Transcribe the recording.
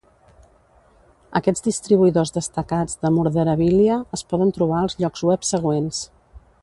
Aquests distribuïdors destacats de murderabilia es poden trobar als llocs web següents.